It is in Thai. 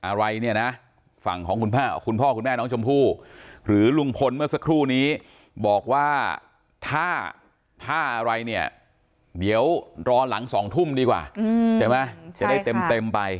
อะไรเนี่ยนะฝั่งของคุณพ่อคุณแม่น้องชมพู่หรือลุงพลเมื่อสักครู่นี้บอกว่าถ้าถ้าอะไรเนี่ยเดี๋ยวรอหลัง๒ทุ่มดีกว่าใช่ไหมจะได้เต็มไป